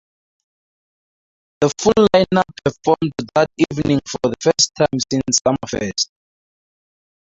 The full lineup performed that evening for the first time since Summerfest.